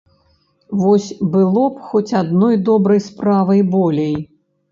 Вось было б хоць адной добрай справай болей.